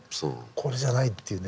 これじゃないっていうね。